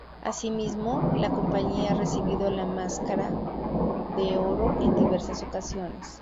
Asimismo la compañía ha recibido la Máscara de Oro en diversas ocasiones.